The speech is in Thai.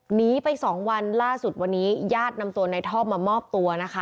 หนีไปสองวันให้ยาฆษฐรกรนำเข้ามามอบตัว